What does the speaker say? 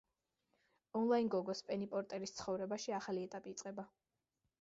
ონლაინ გოგოს, პენი პორტერის, ცხოვრებაში ახალი ეტაპი იწყება.